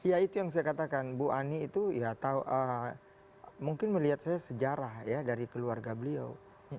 iya itu yang saya katakan bu ani itu mungkin melihat saya sejarah dari keluarga beliau